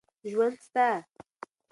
ژوند سته.